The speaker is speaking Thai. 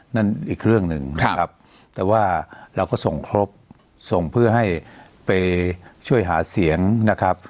นั่นอีกเรื่องหนึ่งนะครับแต่ว่าเราก็ส่งครบส่งเพื่อให้ไปช่วยหาเสียงนะครับ